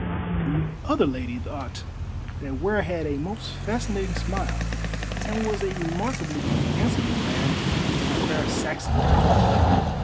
The other lady thought that Ware had a most fascinating smile, and was a remarkably handsome young man of the fair Saxon type.